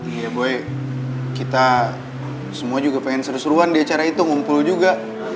iya buy kita semua juga pengen seru seruan di acara itu ngumpul juga